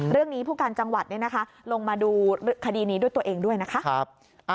เรื่องนี้ผู้การจังหวัดลงมาดูคดีนี้ด้วยตัวเองด้วยนะครับ